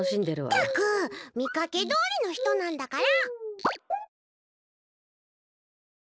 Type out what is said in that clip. ったくみかけどおりのひとなんだから！